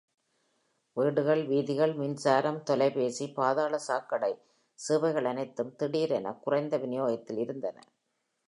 வீடுகள், வீதிகள், மின்சாரம், தொலைபேசி, பாதாள சாக்கடை சேவைகள் அனைத்தும் திடீரென குறைந்த விநியோகத்தில் இருந்தன.